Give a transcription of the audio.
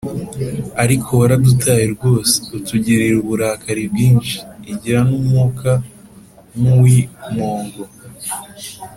Ariko waradutaye rwose, Utugirira uburakari bwinshi. Igira n'umwuka nk'uw'impongo!